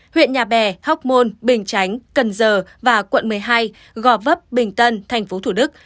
huyện nhà bè hóc môn bình chánh cần giờ và quận một mươi hai gò vấp bình tân tp thủ đức